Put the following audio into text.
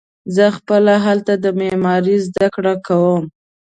زه خپله هلته د معمارۍ زده کړه کوم.